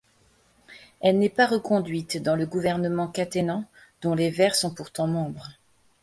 Elle n'est pas reconduite dans le gouvernement Katainen, dont les Verts sont pourtant membres.